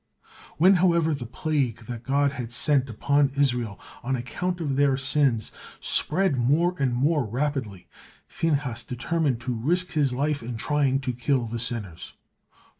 When, however, the plague that God had sent upon Israel on account of their sins spread more and more rapidly, Phinehas determined to risk his life in trying to kill the sinners.